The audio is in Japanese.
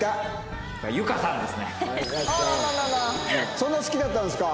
そんな好きだったんですか？